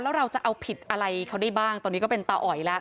แล้วเราจะเอาผิดอะไรเขาได้บ้างตอนนี้ก็เป็นตาอ๋อยแล้ว